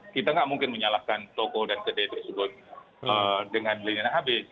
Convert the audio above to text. kita nggak mungkin menyalahkan toko dan kedai tersebut dengan lini habis